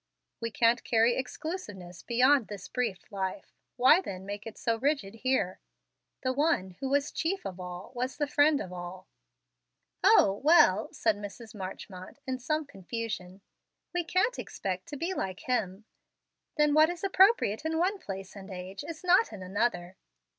We can't carry exclusiveness beyond this brief life. Why, then, make it so rigid here? The One who was chief of all was the friend of all." "O, well," said Mrs. Marchmont, in some confusion, "we can't expect to be like Him. Then what is appropriate in one place and age is not in another."